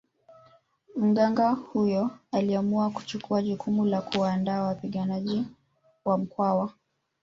Mganga huyo aliamua kuchukua jukumu la kuwaandaa wapiganaji wa Mkwawa